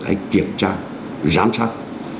để kiểm tra giám sát